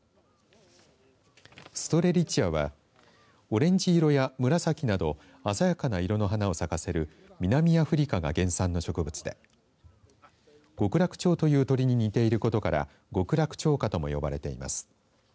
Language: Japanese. ストレリチアはオレンジ色や紫など鮮やかな色の花を咲かせる南アフリカが原産の植物で極楽鳥という鳥に似ていることから極楽鳥花とも呼ばれています。